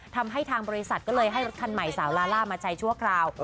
ทำให้ทางบริษัทก็เลยให้รถคันใหม่สาวลาล่ามาใช้ชั่วคราว